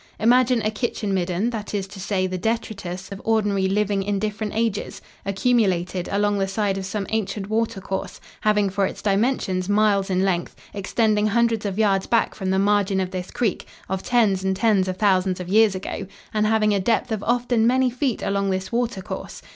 Imagine a kitchen midden, that is to say the detritus of ordinary living in different ages, accumulated along the side of some ancient water course, having for its dimensions miles in length, extending hundreds of yards back from the margin of this creek, of tens and tens of thousands of years ago, and having a depth of often many feet along this water course.